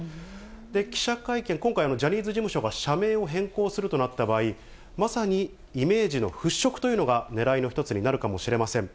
記者会見、今回、ジャニーズ事務所が社名を変更するとなった場合、まさにイメージの払拭というのが、ねらいの一つになるかもしれません。